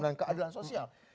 dan keadilan sosial